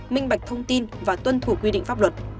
minh bạch thông tin và tuân thủ quy định pháp luật